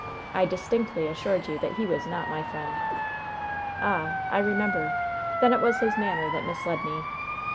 I distinctly assured you that he was not my friend." "Ah, I remember! Then it was his manner that misled me.